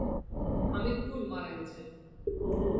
হামিদ গুল মারা গেছে।